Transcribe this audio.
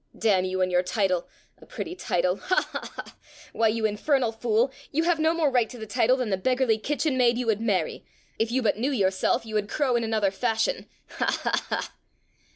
"Damn you and your title! A pretty title, ha, ha, ha! Why, you infernal fool, you have no more right to the title than the beggarly kitchen maid you would marry! If you but knew yourself, you would crow in another fashion! Ha, ha, ha!"